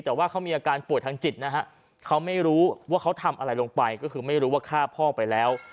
แต่ว่าเขามีอาการป่วยทางจิตนะฮะเขาไม่รู้ว่าเขาทำอะไรลงไปก็คือไม่รู้ว่าฆ่าพ่อไปแล้ว